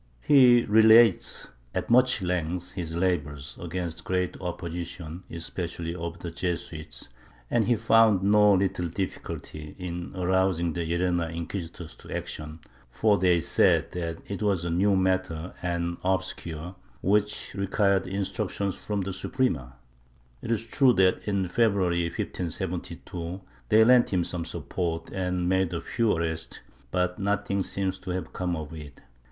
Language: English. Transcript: He relates at much length his labors, against great opposition, especially of the Jesuits, and he found no little difficulty in arousing the Llerena inquisitors to action, for they said that it was a new matter and obscure, which required instructions from the Suprema. It is true that, in February 1572, they lent him some support and made a few arrests, but nothing seems to have come of it.